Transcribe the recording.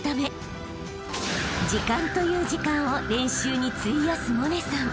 ［時間という時間を練習に費やす百音さん］